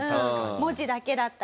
文字だけだったら。